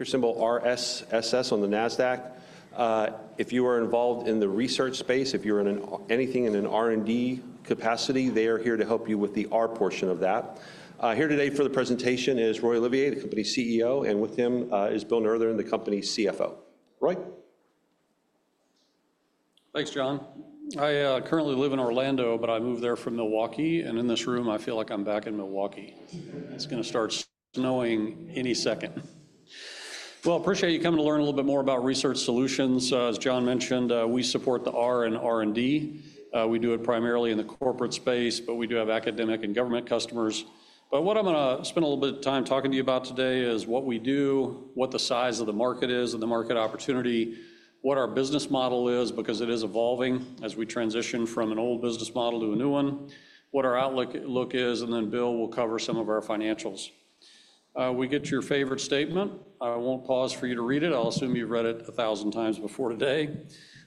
Your symbol, RSSS, on the NASDAQ. If you are involved in the research space, if you're in anything in an R&D capacity, they are here to help you with the R portion of that. Here today for the presentation is Roy Olivier, the company's CEO and with him is Bill Nurthen, the company's CFO. Roy. Thanks, John. I currently live in Orlando, but I moved there from Milwaukee and in this room, I feel like I'm back in Milwaukee. It's going to start snowing any second. Well, I appreciate you coming to learn a little bit more about Research Solutions. As John mentioned, we support the R in R&D. We do it primarily in the corporate space, but we do have academic and government customers. But what I'm going to spend a little bit of time talking to you about today is what we do, what the size of the market is and the market opportunity, what our business model is, because it is evolving as we transition from an old business model to a new one, what our outlook is, and then Bill will cover some of our financials. We get to your favorite statement. I won't pause for you to read it. I'll assume you've read it a thousand times before today,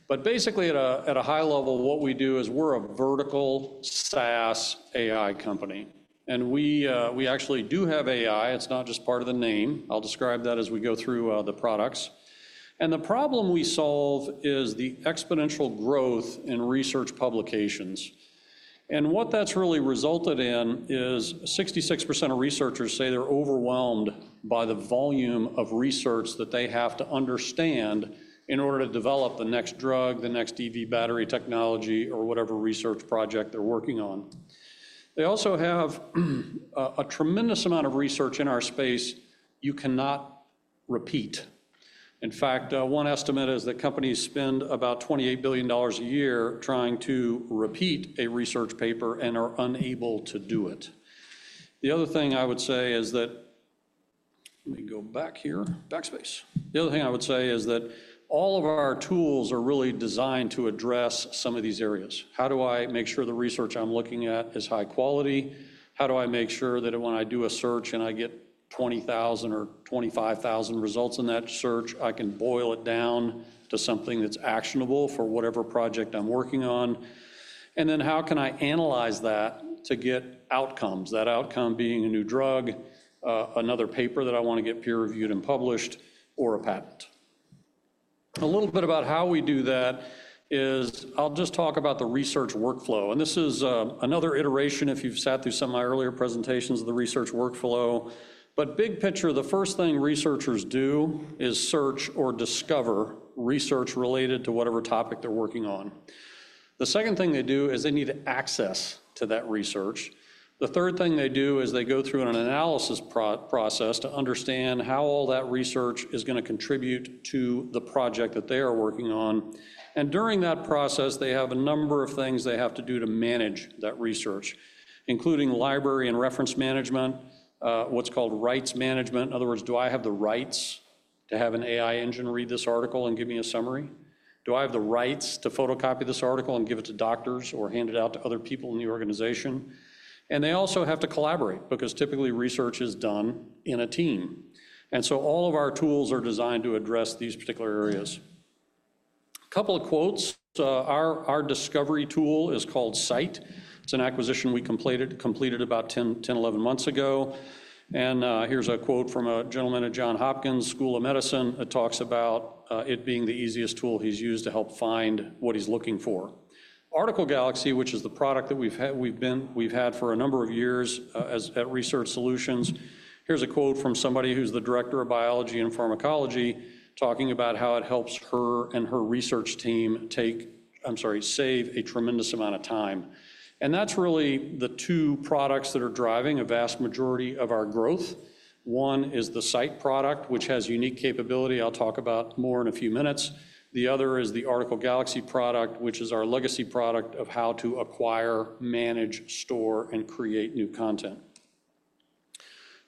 but basically, at a high level what we do is we're a vertical SaaS AI company, and we actually do have AI. It's not just part of the name. I'll describe that as we go through the products, and the problem we solve is the exponential growth in research publications, and what that's really resulted in is 66% of researchers say they're overwhelmed by the volume of research that they have to understand in order to develop the next drug, the next EV battery technology, or whatever research project they're working on. They also have a tremendous amount of research in our space you cannot repeat. In fact, one estimate is that companies spend about $28 billion a year trying to repeat a research paper and are unable to do it. The other thing I would say is that all of our tools are really designed to address some of these areas. How do I make sure the research I'm looking at is high quality? How do I make sure that when I do a search and I get 20,000 or 25,000 results in that search, I can boil it down to something that's actionable for whatever project I'm working on? And then how can I analyze that to get outcomes, that outcome being a new drug, another paper that I want to get peer-reviewed and published, or a patent? A little bit about how we do that is I'll just talk about the research workflow, and this is another iteration if you've sat through some of my earlier presentations of the research workflow. But big picture, the first thing researchers do is search or discover research related to whatever topic they're working on. The second thing they do is they need access to that research. The third thing they do is they go through an analysis process to understand how all that research is going to contribute to the project that they are working on. And during that process, they have a number of things they have to do to manage that research, including library and reference management, what's called rights management. In other words, do I have the rights to have an AI engine read this article and give me a summary? Do I have the rights to photocopy this article and give it to doctors or hand it out to other people in the organization? And they also have to collaborate because typically research is done in a team. And so all of our tools are designed to address these particular areas. A couple of quotes. Our discovery tool is called Scite. It's an acquisition we completed about 10, 11 months ago. And here's a quote from a gentleman at Johns Hopkins School of Medicine. It talks about it being the easiest tool he's used to help find what he's looking for. Article Galaxy, which is the product that we've had for a number of years at Research Solutions. Here's a quote from somebody who's the director of biology and pharmacology talking about how it helps her and her research team take, I'm sorry, save a tremendous amount of time. And that's really the two products that are driving a vast majority of our growth. One is the Scite product, which has unique capability. I'll talk about more in a few minutes. The other is the Article Galaxy product, which is our legacy product of how to acquire, manage, store, and create new content.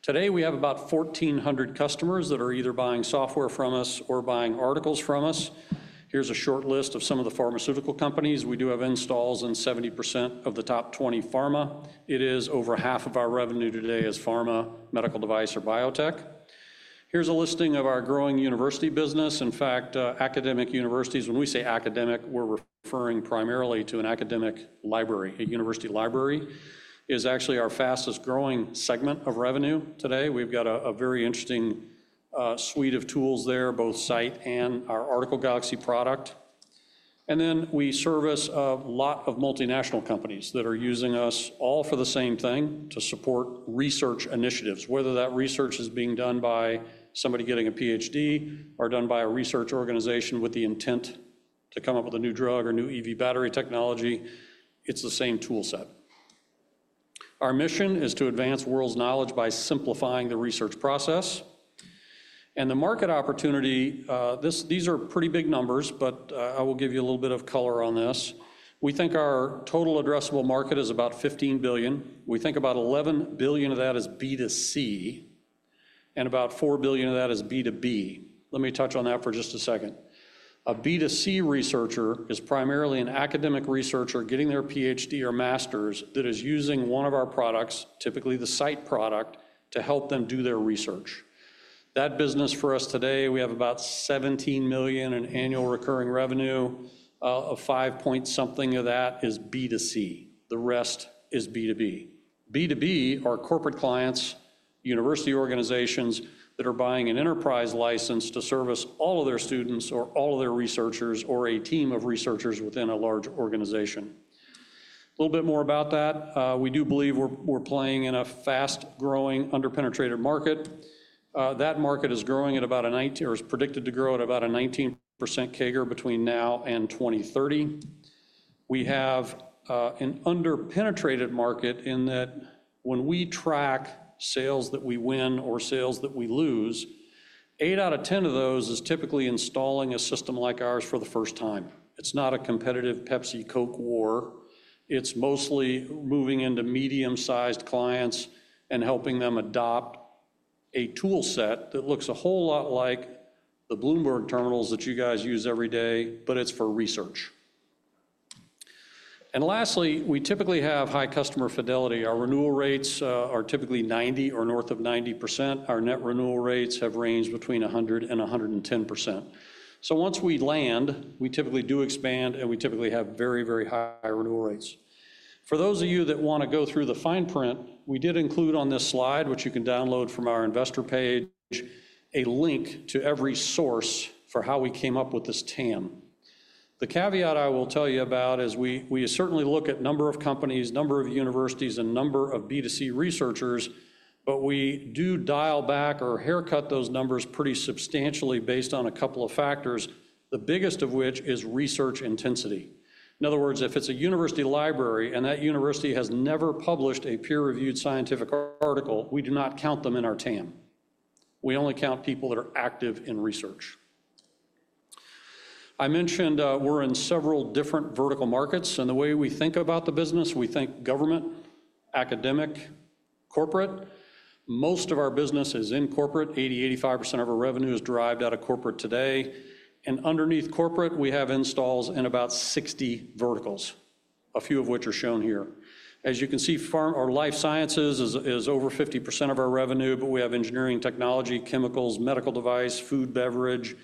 Today, we have about 1,400 customers that are either buying software from us or buying articles from us. Here's a short list of some of the pharmaceutical companies. We do have installs in 70% of the top 20 pharma. It is over half of our revenue today as pharma, medical device, or biotech. Here's a listing of our growing university business. In fact, academic universities, when we say academic, we're referring primarily to an academic library. A university library is actually our fastest growing segment of revenue today. We've got a very interesting suite of tools there, both Scite and our Article Galaxy product. And then we service a lot of multinational companies that are using us all for the same thing to support research initiatives. Whether that research is being done by somebody getting a PhD or done by a research organization with the intent to come up with a new drug or new EV battery technology, it's the same toolset. Our mission is to advance world's knowledge by simplifying the research process, and the market opportunity, these are pretty big numbers, but I will give you a little bit of color on this. We think our total addressable market is about $15 billion. We think about $11 billion of that is B2C, and about $4 billion of that is B2B. Let me touch on that for just a second. A B2C researcher is primarily an academic researcher getting their PhD or master's that is using one of our products, typically the Scite product, to help them do their research. That business for us today, we have about $17 million in annual recurring revenue. A five point something of that is B2C. The rest is B2B. B2B are corporate clients, university organizations that are buying an enterprise license to service all of their students or all of their researchers or a team of researchers within a large organization. A little bit more about that. We do believe we're playing in a fast-growing underpenetrated market. That market is growing at about a 19 or is predicted to grow at about a 19% CAGR between now and 2030. We have an underpenetrated market in that when we track sales that we win or sales that we lose, eight out of 10 of those is typically installing a system like ours for the first time. It's not a competitive Pepsi-Coke war. It's mostly moving into medium-sized clients and helping them adopt a toolset that looks a whole lot like the Bloomberg Terminals that you guys use every day, but it's for research. And lastly, we typically have high customer fidelity. Our renewal rates are typically 90 or north of 90%. Our net renewal rates have ranged between 100 and 110%. So once we land, we typically do expand and we typically have very, very high renewal rates. For those of you that want to go through the fine print, we did include on this slide which you can download from our investor page, a link to every source for how we came up with this TAM. The caveat I will tell you about is we certainly look at number of companies, number of universities, and number of B2C researchers, but we do dial back or haircut those numbers pretty substantially based on a couple of factors, the biggest of which is research intensity. In other words, if it's a university library and that university has never published a peer-reviewed scientific article, we do not count them in our TAM. We only count people that are active in research. I mentioned we're in several different vertical markets, and the way we think about the business, we think government, academic, corporate. Most of our business is in corporate. 80%-85% of our revenue is derived out of corporate today, and underneath corporate, we have installs in about 60 verticals, a few of which are shown here. As you can see, our life sciences is over 50% of our revenue, but we have engineering, technology, chemicals, medical device, food, beverage,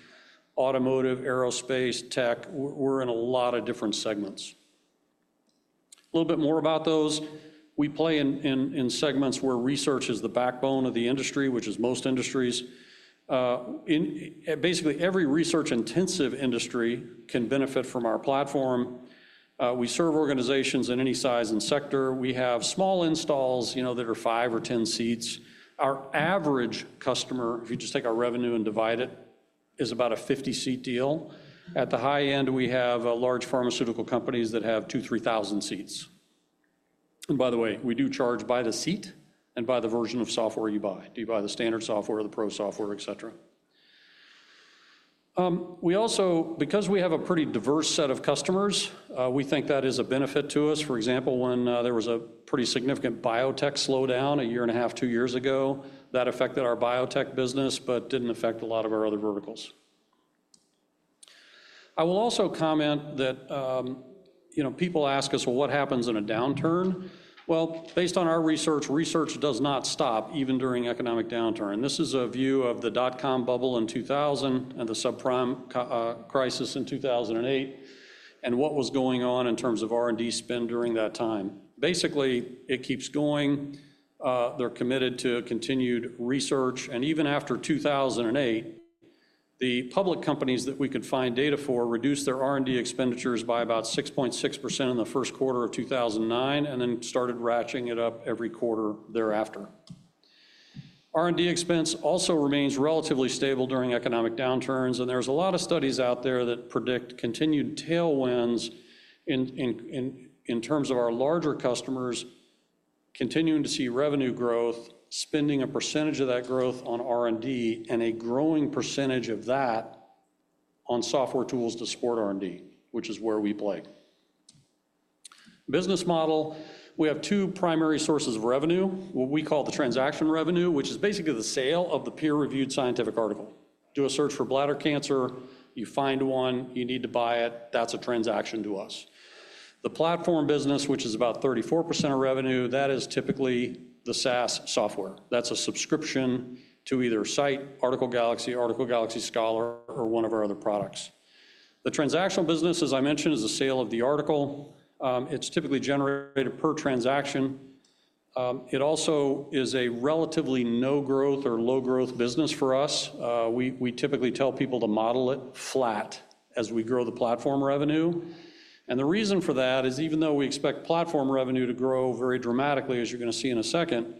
automotive, aerospace, tech. We're in a lot of different segments. A little bit more about those. We play in segments where research is the backbone of the industry, which is most industries. Basically, every research-intensive industry can benefit from our platform. We serve organizations in any size and sector. We have small installs that are five or 10 seats. Our average customer, if you just take our revenue and divide it, is about a 50-seat deal. At the high end, we have large pharmaceutical companies that have 2,000, 3,000 seats. And by the way, we do charge by the seat and by the version of software you buy. Do you buy the standard software or the pro software, etc. We also, because we have a pretty diverse set of customers, we think that is a benefit to us. For example, when there was a pretty significant biotech slowdown a year and a half, two years ago, that affected our biotech business, but didn't affect a lot of our other verticals. I will also comment that people ask us, well, what happens in a downturn? Well, based on our research, research does not stop even during economic downturn. And this is a view of the Dot-com bubble in 2000 and the subprime crisis in 2008 and what was going on in terms of R&D spend during that time. Basically, it keeps going. They're committed to continued research. Even after 2008, the public companies that we could find data for reduced their R&D expenditures by about 6.6% in the first quarter of 2009 and then started ratcheting it up every quarter thereafter. R&D expense also remains relatively stable during economic downturns. There's a lot of studies out there that predict continued tailwinds in terms of our larger customers continuing to see revenue growth, spending a percentage of that growth on R&D, and a growing percentage of that on software tools to support R&D, which is where we play. Business model, we have two primary sources of revenue, what we call the transaction revenue, which is basically the sale of the peer-reviewed scientific article. Do a search for bladder cancer, you find one, you need to buy it, that's a transaction to us. The platform business, which is about 34% of revenue, that is typically the SaaS software. That's a subscription to either Scite, Article Galaxy, Article Galaxy Scholar, or one of our other products. The transactional business, as I mentioned, is the sale of the article. It's typically generated per transaction. It also is a relatively no-growth or low-growth business for us. We typically tell people to model it flat as we grow the platform revenue, and the reason for that is even though we expect platform revenue to grow very dramatically, as you're going to see in a second,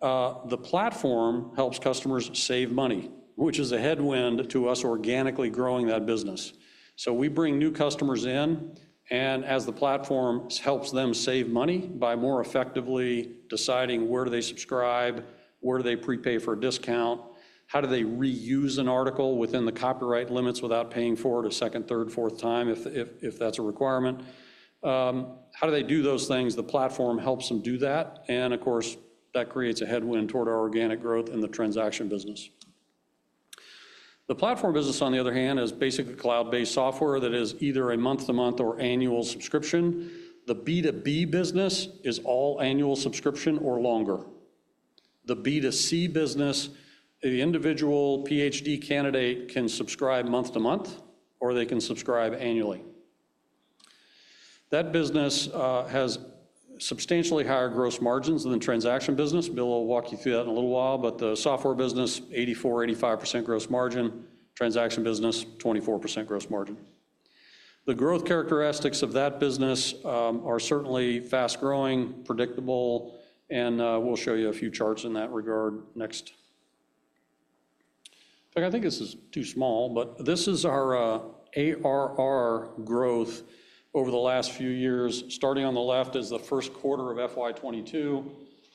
the platform helps customers save money, which is a headwind to us organically growing that business. So we bring new customers in, and as the platform helps them save money by more effectively deciding where do they subscribe, where do they prepay for a discount, how do they reuse an article within the copyright limits without paying for it a second, third, fourth time if that's a requirement, how do they do those things, the platform helps them do that. And of course, that creates a headwind toward our organic growth in the transaction business. The platform business, on the other hand, is basically cloud-based software that is either a month-to-month or annual subscription. The B2B business is all annual subscription or longer. The B2C business, the individual PhD candidate can subscribe month-to-month or they can subscribe annually. That business has substantially higher gross margins than the transaction business. Bill will walk you through that in a little while, but the software business, 84-85% gross margin, transaction business, 24% gross margin. The growth characteristics of that business are certainly fast-growing, predictable, and we'll show you a few charts in that regard next. I think this is too small, but this is our ARR growth over the last few years. Starting on the left is the first quarter of FY22.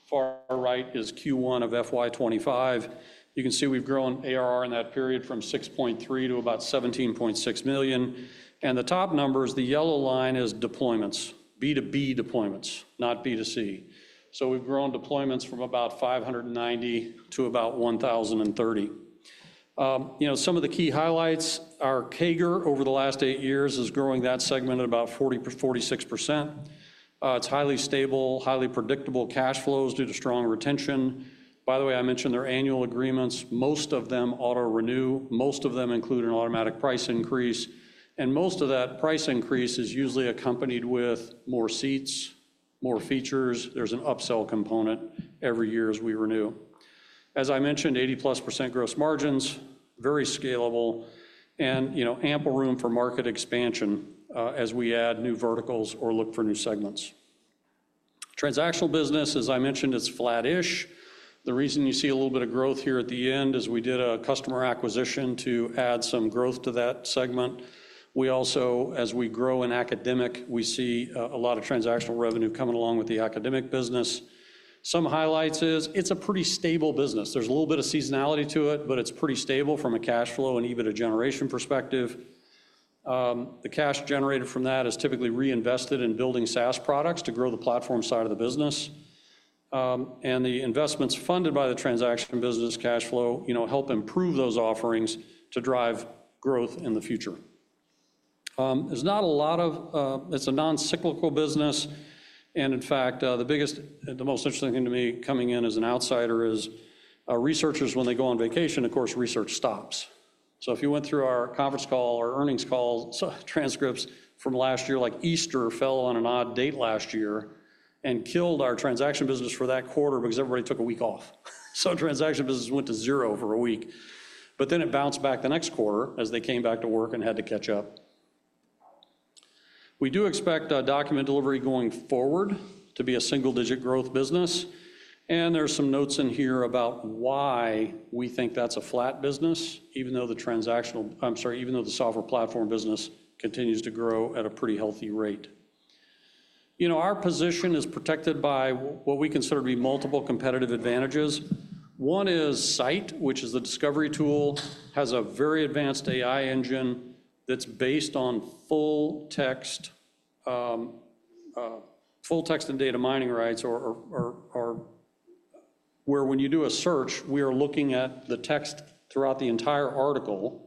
Far right is Q1 of FY25. You can see we've grown ARR in that period from $6.3 million to about $17.6 million. And the top numbers, the yellow line is deployments, B2B deployments, not B2C. So we've grown deployments from about 590 to about 1,030. Some of the key highlights are CAGR over the last eight years is growing that segment at about 40-46%. It's highly stable, highly predictable cash flows due to strong retention. By the way, I mentioned their annual agreements. Most of them auto-renew. Most of them include an automatic price increase, and most of that price increase is usually accompanied with more seats, more features. There's an upsell component every year as we renew. As I mentioned, 80%+ gross margins, very scalable, and ample room for market expansion as we add new verticals or look for new segments. Transactional business, as I mentioned, it's flat-ish. The reason you see a little bit of growth here at the end is we did a customer acquisition to add some growth to that segment. We also, as we grow in academic, we see a lot of transactional revenue coming along with the academic business. Some highlights is it's a pretty stable business. There's a little bit of seasonality to it, but it's pretty stable from a cash flow and even a generation perspective. The cash generated from that is typically reinvested in building SaaS products to grow the platform side of the business. And the investments funded by the transaction business cash flow help improve those offerings to drive growth in the future. There's not a lot of it. It's a non-cyclical business. And in fact, the most interesting thing to me coming in as an outsider is researchers, when they go on vacation, of course, research stops. So if you went through our conference call or earnings call transcripts from last year, like Easter fell on an odd date last year and killed our transaction business for that quarter because everybody took a week off. So transaction business went to zero for a week. But then it bounced back the next quarter as they came back to work and had to catch up. We do expect document delivery going forward to be a single-digit growth business. And there's some notes in here about why we think that's a flat business, even though the transactional I'm sorry, even though the software platform business continues to grow at a pretty healthy rate. Our position is protected by what we consider to be multiple competitive advantages. One is Scite, which is the discovery tool, has a very advanced AI engine that's based on full text, full text and data mining rights, where when you do a search, we are looking at the text throughout the entire article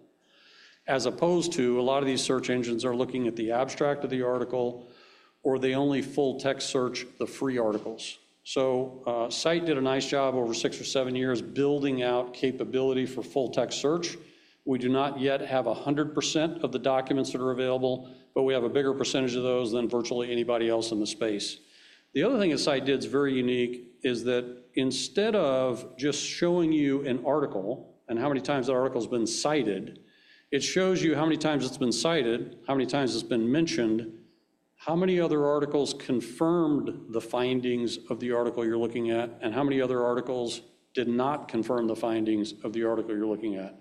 as opposed to a lot of these search engines are looking at the abstract of the article or they only full text search the free articles. So Scite did a nice job over six or seven years building out capability for full text search. We do not yet have 100% of the documents that are available, but we have a bigger percentage of those than virtually anybody else in the space. The other thing that Scite did is very unique is that instead of just showing you an article and how many times that article has been cited, it shows you how many times it's been cited, how many times it's been mentioned, how many other articles confirmed the findings of the article you're looking at, and how many other articles did not confirm the findings of the article you're looking at.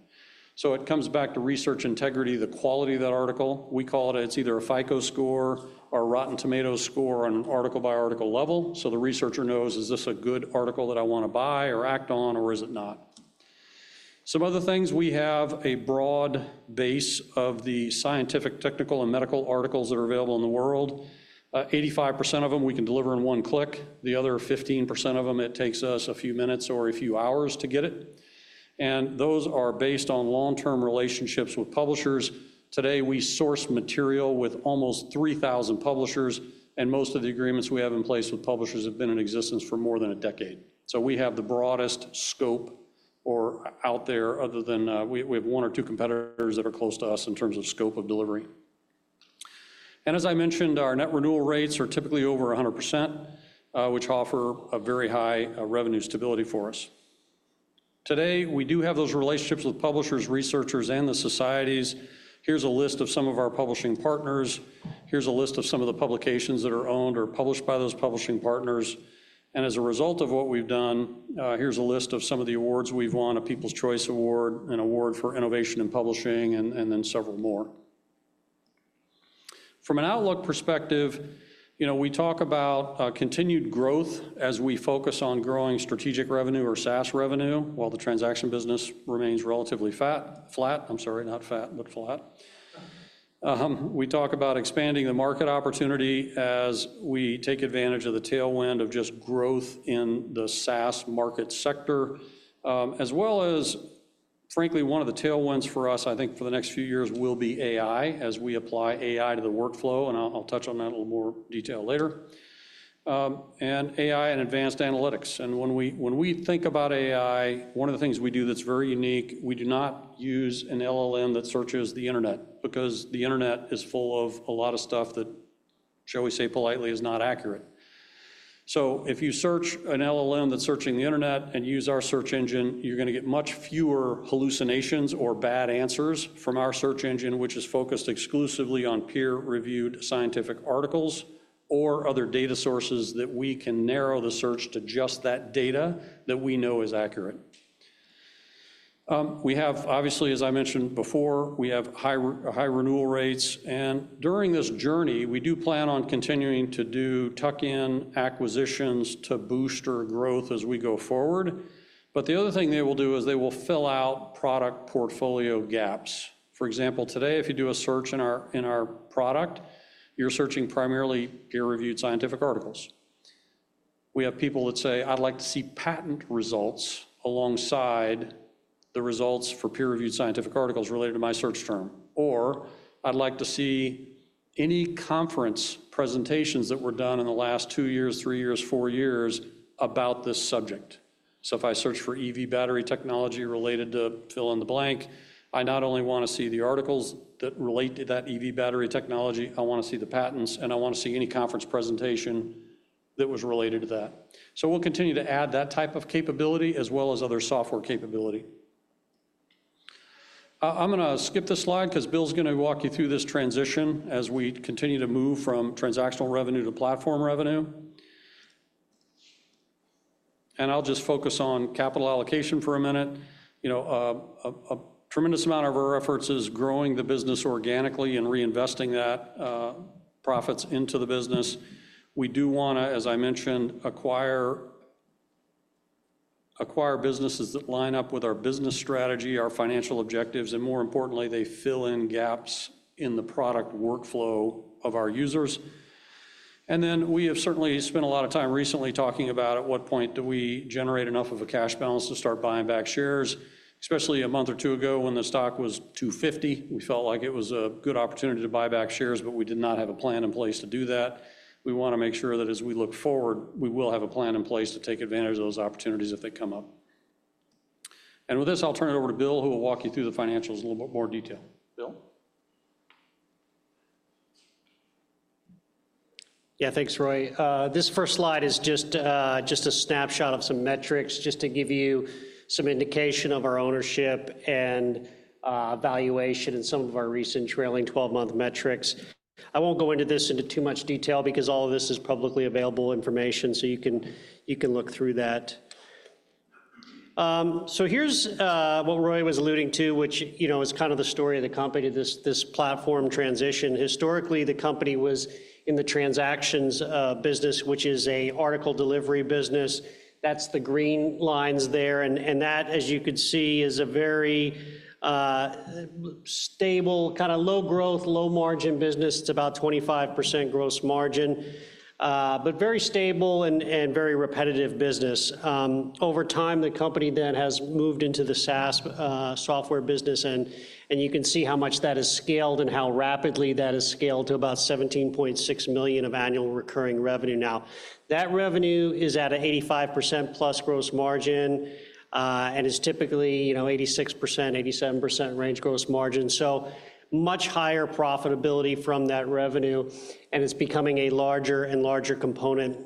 So it comes back to research integrity, the quality of that article. We call it it's either a FICO score or a Rotten Tomatoes score on an article-by-article level. The researcher knows, is this a good article that I want to buy or act on, or is it not? Some other things, we have a broad base of the scientific, technical, and medical articles that are available in the world. 85% of them we can deliver in one click. The other 15% of them, it takes us a few minutes or a few hours to get it. And those are based on long-term relationships with publishers. Today, we source material with almost 3,000 publishers, and most of the agreements we have in place with publishers have been in existence for more than a decade. We have the broadest scope out there other than we have one or two competitors that are close to us in terms of scope of delivery. As I mentioned, our net renewal rates are typically over 100%, which offer a very high revenue stability for us. Today, we do have those relationships with publishers, researchers, and the societies. Here's a list of some of our publishing partners. Here's a list of some of the publications that are owned or published by those publishing partners. And as a result of what we've done, here's a list of some of the awards we've won, a People's Choice Award, an award for innovation in publishing, and then several more. From an outlook perspective, we talk about continued growth as we focus on growing strategic revenue or SaaS revenue while the transaction business remains relatively flat. I'm sorry, not fat, but flat. We talk about expanding the market opportunity as we take advantage of the tailwind of just growth in the SaaS market sector, as well as, frankly, one of the tailwinds for us, I think for the next few years will be AI as we apply AI to the workflow. And I'll touch on that in a little more detail later. And AI and advanced analytics. And when we think about AI, one of the things we do that's very unique, we do not use an LLM that searches the internet because the internet is full of a lot of stuff that, shall we say politely, is not accurate. So, if you search an LLM that's searching the internet and use our search engine, you're going to get much fewer hallucinations or bad answers from our search engine, which is focused exclusively on peer-reviewed scientific articles or other data sources that we can narrow the search to just that data that we know is accurate. We have, obviously, as I mentioned before, we have high renewal rates, and during this journey, we do plan on continuing to do tuck-in acquisitions to boost our growth as we go forward, but the other thing they will do is they will fill out product portfolio gaps. For example, today, if you do a search in our product, you're searching primarily peer-reviewed scientific articles. We have people that say, "I'd like to see patent results alongside the results for peer-reviewed scientific articles related to my search term." Or, "I'd like to see any conference presentations that were done in the last two years, three years, four years about this subject." So if I search for EV battery technology related to fill in the blank, I not only want to see the articles that relate to that EV battery technology, I want to see the patents, and I want to see any conference presentation that was related to that. So we'll continue to add that type of capability as well as other software capability. I'm going to skip this slide because Bill's going to walk you through this transition as we continue to move from transactional revenue to platform revenue. I'll just focus on capital allocation for a minute. A tremendous amount of our efforts is growing the business organically and reinvesting that profits into the business. We do want to, as I mentioned, acquire businesses that line up with our business strategy, our financial objectives, and more importantly, they fill in gaps in the product workflow of our users, and then we have certainly spent a lot of time recently talking about at what point do we generate enough of a cash balance to start buying back shares, especially a month or two ago when the stock was 250. We felt like it was a good opportunity to buy back shares, but we did not have a plan in place to do that. We want to make sure that as we look forward, we will have a plan in place to take advantage of those opportunities if they come up. With this, I'll turn it over to Bill, who will walk you through the financials in a little bit more detail. Bill? Yeah, thanks, Roy. This first slide is just a snapshot of some metrics just to give you some indication of our ownership and valuation and some of our recent trailing 12-month metrics. I won't go into this too much detail because all of this is publicly available information, so you can look through that. So here's what Roy was alluding to, which is kind of the story of the company, this platform transition. Historically, the company was in the transactions business, which is an article delivery business. That's the green lines there. And that, as you could see, is a very stable, kind of low-growth, low-margin business. It's about 25% gross margin, but very stable and very repetitive business. Over time, the company then has moved into the SaaS software business, and you can see how much that has scaled and how rapidly that has scaled to about $17.6 million of annual recurring revenue. Now, that revenue is at an 85% plus gross margin and is typically 86%-87% range gross margin, so much higher profitability from that revenue, and it's becoming a larger and larger component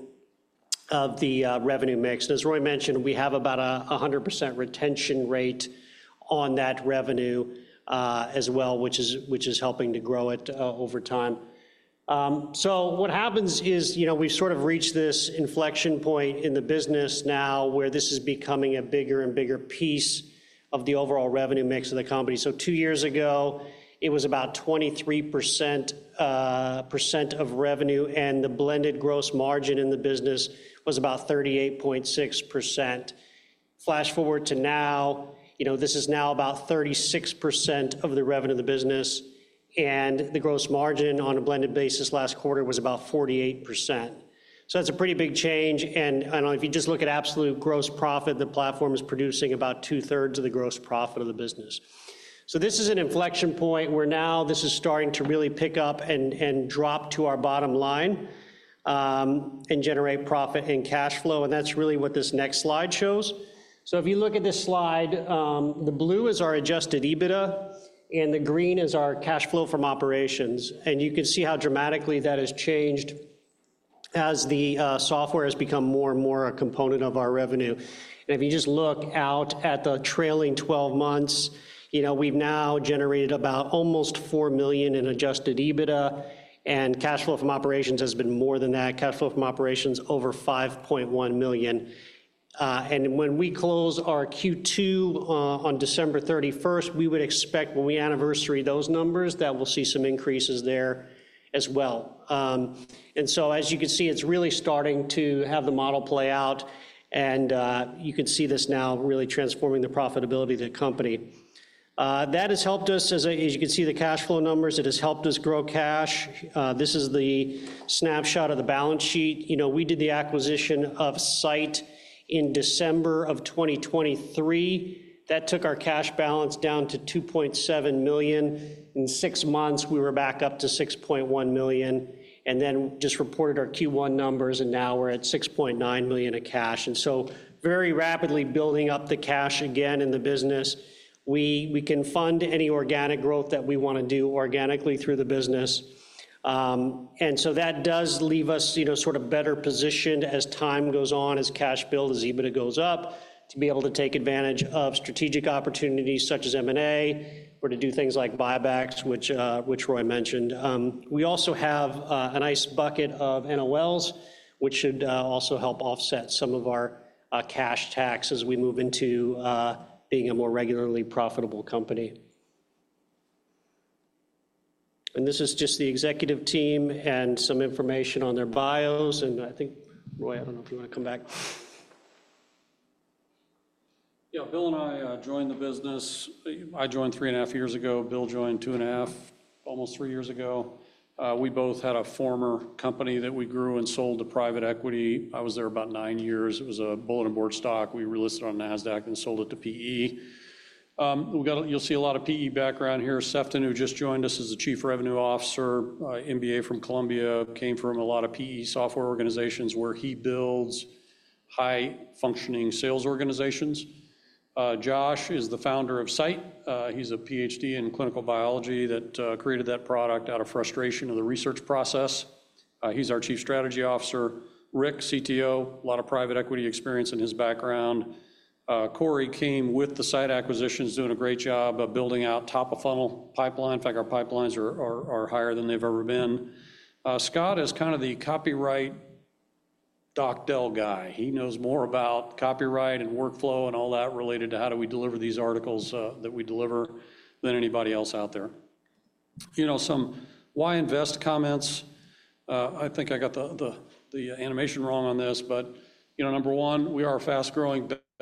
of the revenue mix, and as Roy mentioned, we have about a 100% retention rate on that revenue as well, which is helping to grow it over time, so what happens is we've sort of reached this inflection point in the business now where this is becoming a bigger and bigger piece of the overall revenue mix of the company, so two years ago, it was about 23% of revenue, and the blended gross margin in the business was about 38.6%. Flash forward to now, this is now about 36% of the revenue of the business, and the gross margin on a blended basis last quarter was about 48%, so that's a pretty big change, and if you just look at absolute gross profit, the platform is producing about two-thirds of the gross profit of the business, so this is an inflection point where now this is starting to really pick up and drop to our bottom line and generate profit and cash flow, and that's really what this next slide shows, so if you look at this slide, the blue is our Adjusted EBITDA, and the green is our cash flow from operations, and you can see how dramatically that has changed as the software has become more and more a component of our revenue. And if you just look out at the trailing 12 months, we've now generated about almost $4 million in Adjusted EBITDA, and cash flow from operations has been more than that, cash flow from operations over $5.1 million. And when we close our Q2 on December 31st, we would expect when we anniversary those numbers that we'll see some increases there as well. And so, as you can see, it's really starting to have the model play out, and you can see this now really transforming the profitability of the company. That has helped us, as you can see the cash flow numbers, it has helped us grow cash. This is the snapshot of the balance sheet. We did the acquisition of Scite in December of 2023. That took our cash balance down to $2.7 million. In six months, we were back up to $6.1 million. And then just reported our Q1 numbers, and now we're at $6.9 million of cash. And so very rapidly building up the cash again in the business. We can fund any organic growth that we want to do organically through the business. And so that does leave us sort of better positioned as time goes on, as cash builds, as EBITDA goes up, to be able to take advantage of strategic opportunities such as M&A or to do things like buybacks, which Roy mentioned. We also have a nice bucket of NOLs, which should also help offset some of our cash tax as we move into being a more regularly profitable company. And this is just the executive team and some information on their bios. And I think, Roy, I don't know if you want to come back. Yeah, Bill and I joined the business. I joined three and a half years ago. Bill joined two and a half, almost three years ago. We both had a former company that we grew and sold to private equity. I was there about nine years. It was a bulletin board stock. We relisted on NASDAQ and sold it to PE. You'll see a lot of PE background here. Sefton, who just joined us as the Chief Revenue Officer, MBA from Columbia, came from a lot of PE software organizations where he builds high-functioning sales organizations. Josh is the founder of Scite. He's a PhD in clinical biology that created that product out of frustration of the research process. He's our Chief Strategy Officer. Rick, CTO, a lot of private equity experience in his background. Corey came with the Scite acquisitions, doing a great job of building out top-of-funnel pipeline. In fact, our pipelines are higher than they've ever been. Scott is kind of the copyright doc del guy. He knows more about copyright and workflow and all that related to how do we deliver these articles that we deliver than anybody else out there. Some why invest comments. I think I got the animation wrong on this, but number one, we are a fast-growing,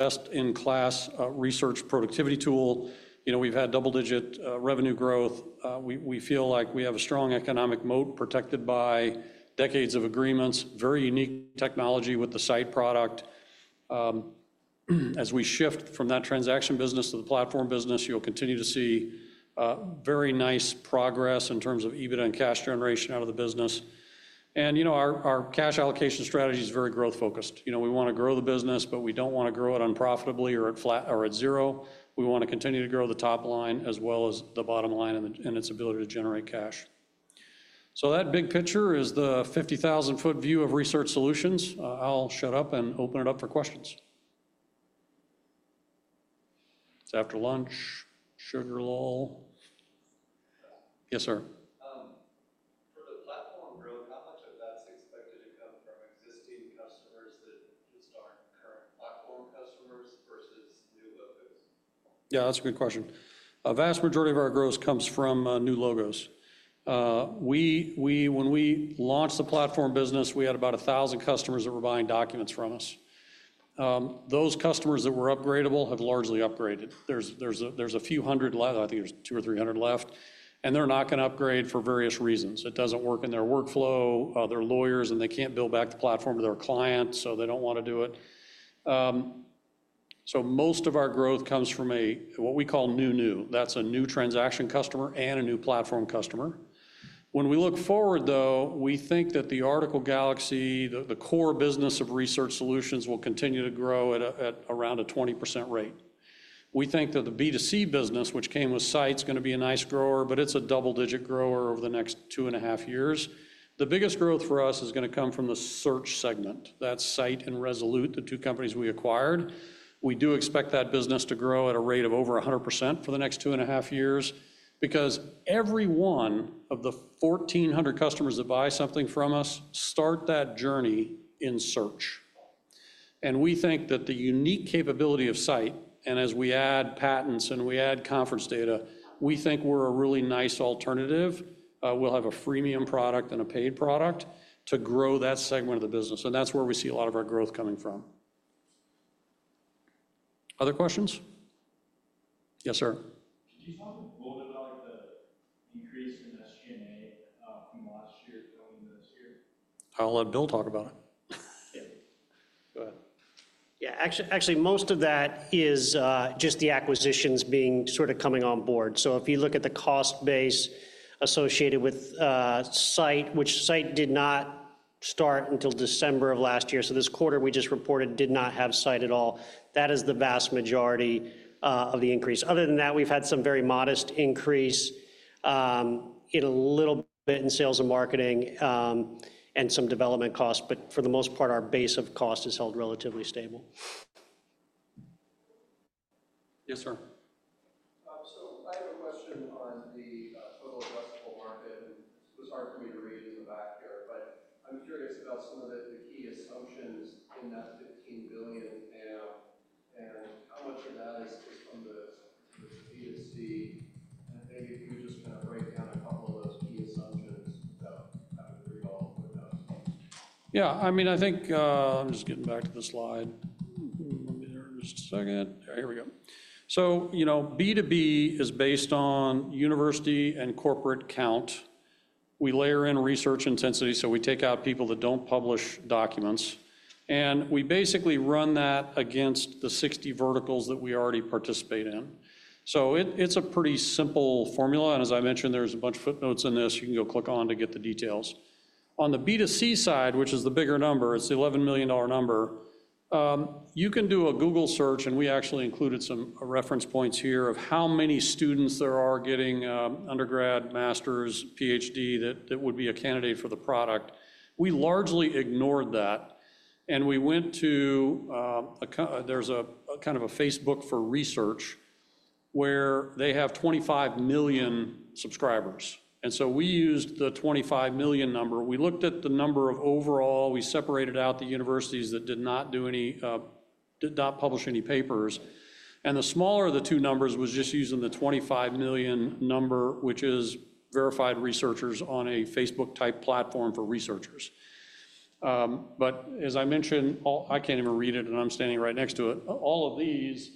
best-in-class research productivity tool. We've had double-digit revenue growth. We feel like we have a strong economic moat protected by decades of agreements, very unique technology with the Scite product. As we shift from that transaction business to the platform business, you'll continue to see very nice progress in terms of EBITDA and cash generation out of the business. And our cash allocation strategy is very growth-focused. We want to grow the business, but we don't want to grow it unprofitably or at zero. We want to continue to grow the top line as well as the bottom line and its ability to generate cash. So that big picture is the 50,000-foot view of Research Solutions. I'll shut up and open it up for questions. It's after lunch. Sugar lull. Yes, sir. For the platform growth, how much of that's expected to come from existing customers that just aren't current platform customers versus new logos? Yeah, that's a good question. A vast majority of our growth comes from new logos. When we launched the platform business, we had about 1,000 customers that were buying documents from us. Those customers that were upgradable have largely upgraded. There's a few hundred left. I think there's two or three hundred left. And they're not going to upgrade for various reasons. It doesn't work in their workflow. They're lawyers, and they can't build back the platform to their clients, so they don't want to do it. So most of our growth comes from what we call new new. That's a new transaction customer and a new platform customer. When we look forward, though, we think that the Article Galaxy, the core business of Research Solutions, will continue to grow at around a 20% rate. We think that the B2C business, which came with Scite, is going to be a nice grower, but it's a double-digit grower over the next two and a half years. The biggest growth for us is going to come from the search segment. That's Scite and Resolute, the two companies we acquired. We do expect that business to grow at a rate of over 100% for the next two and a half years because every one of the 1,400 customers that buy something from us starts that journey in search. And we think that the unique capability of Scite, and as we add patents and we add conference data, we think we're a really nice alternative. We'll have a freemium product and a paid product to grow that segment of the business. And that's where we see a lot of our growth coming from. Other questions? Yes, sir. Can you talk a little bit about the increase in SG&A from last year going into this year? I'll let Bill talk about it. Yeah. Go ahead. Yeah, actually, most of that is just the acquisitions being sort of coming on board. So if you look at the cost base associated with Scite, which Scite did not start until December of last year. So this quarter we just reported did not have Scite at all. That is the vast majority of the increase. Other than that, we've had some very modest increase in a little bit in sales and marketing and some development costs. But for the most part, our base of cost is held relatively stable. Yes, sir. So I have a question on the total addressable market. It was hard for me to read in the back here, but I'm curious about some of the key assumptions in that $15 billion now. And how much of that is just from the B2C? And maybe if you would just kind of break down a couple of those key assumptions so I can read all of them. Yeah. I mean, I think I'm just getting back to the slide. Let me just check it. There we go, so B2B is based on university and corporate count. We layer in research intensity, so we take out people that don't publish documents, and we basically run that against the 60 verticals that we already participate in, so it's a pretty simple formula, and as I mentioned, there's a bunch of footnotes in this. You can go click on to get the details. On the B2C side, which is the bigger number, it's the $11 million number. You can do a Google search, and we actually included some reference points here of how many students there are getting undergrad, master's, PhD that would be a candidate for the product. We largely ignored that and we went to. There's a kind of a Facebook for research where they have 25 million subscribers. And so we used the 25 million number. We looked at the number of overall. We separated out the universities that did not publish any papers. And the smaller of the two numbers was just using the 25 million number, which is verified researchers on a Facebook-type platform for researchers. But as I mentioned, I can't even read it, and I'm standing right next to it. All of these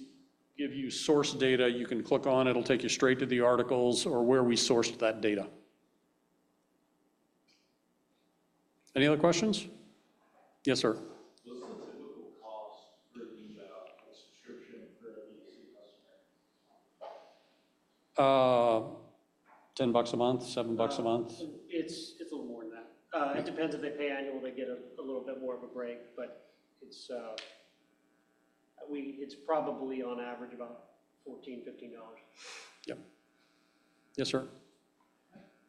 give you source data you can click on. It'll take you straight to the articles or where we sourced that data. Any other questions? Yes, sir. What's the typical cost for the subscription for a B2C customer? $10 a month, $7 a month. It's a little more than that. It depends if they pay annual. They get a little bit more of a break, but it's probably on average about $14-$15. Yep. Yes, sir.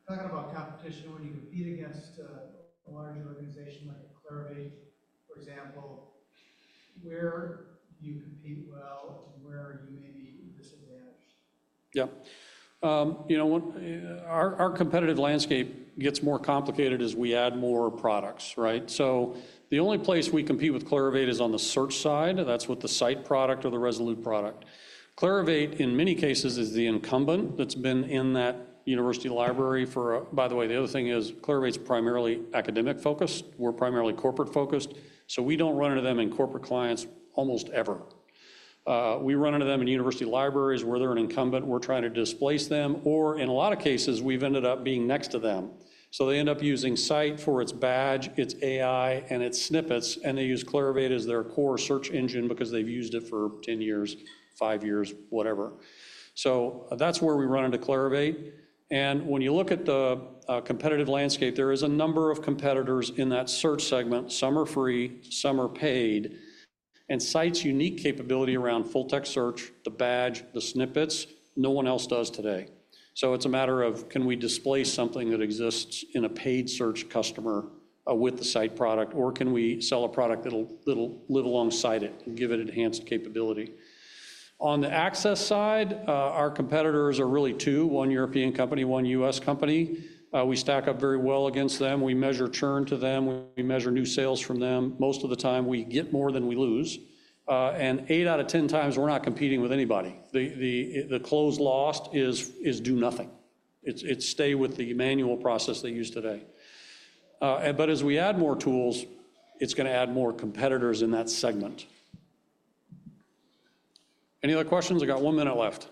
Talking about competition, when you compete against a large organization like Clarivate, for example, where do you compete well and where are you maybe disadvantaged? Yeah. Our competitive landscape gets more complicated as we add more products, right? So the only place we compete with Clarivate is on the search side. That's with the Scite product or the Resolute product. Clarivate, in many cases, is the incumbent that's been in that university library for, by the way, the other thing is Clarivate is primarily academic-focused. We're primarily corporate-focused. So we don't run into them in corporate clients almost ever. We run into them in university libraries where they're an incumbent. We're trying to displace them. Or in a lot of cases, we've ended up being next to them. So they end up using scite for its badge, its AI, and its snippets. They use Clarivate as their core search engine because they've used it for 10 years, five years, whatever. That's where we run into Clarivate. When you look at the competitive landscape, there is a number of competitors in that search segment. Some are free. Some are paid. And scite's unique capability around full-text search, the badge, the snippets, no one else does today. It's a matter of, can we displace something that exists in a paid search customer with the scite product, or can we sell a product that'll live alongside it and give it enhanced capability? On the access side, our competitors are really two. One European company, one U.S. company. We stack up very well against them. We measure churn to them. We measure new sales from them. Most of the time, we get more than we lose. and eight out of 10 times, we're not competing with anybody. The close lost is do nothing. It's stay with the manual process they use today. But as we add more tools, it's going to add more competitors in that segment. Any other questions? I got one minute left.